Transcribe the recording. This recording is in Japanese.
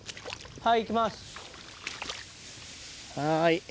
はい。